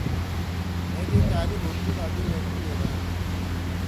اے دی طألب ہُودتو دا دیؤ ایکدُوئی گے بنَدی: